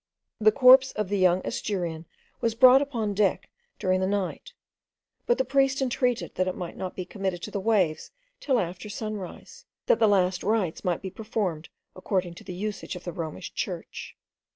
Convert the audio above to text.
The corpse of the young Asturian was brought upon deck during the night, but the priest entreated that it might not be committed to the waves till after sunrise, that the last rites might be performed, according to the usage of the Romish church.